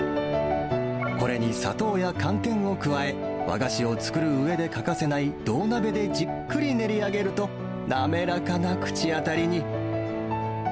これに砂糖や寒天を加え、和菓子を作るうえで欠かせない銅鍋でじっくり練り上げると、滑らかな口当たりに。